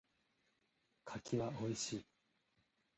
柿は美味しい。